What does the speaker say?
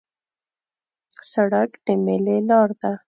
سړک د میلې لار ده.